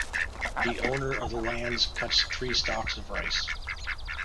The owner of the land cuts three stalks of rice.